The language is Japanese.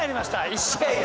１試合で。